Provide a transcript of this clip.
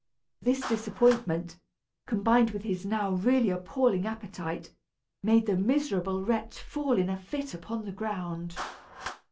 This disappointment, combined with his now really appalling appetite, made the miserable wretch fall in a fit upon the ground.